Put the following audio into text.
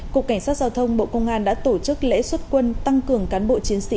cục cảnh sát giao thông bộ công an đã tổ chức lễ xuất quân tăng cường cán bộ chiến sĩ